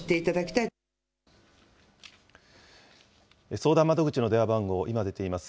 相談窓口の電話番号、今出ています